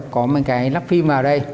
có một cái lắp phim vào đây